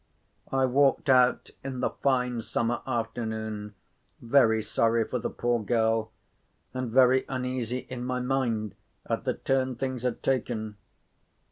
I walked out in the fine summer afternoon, very sorry for the poor girl, and very uneasy in my mind at the turn things had taken.